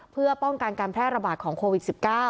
เพื่อป้องกันการแพร่ระบาดของโควิด๑๙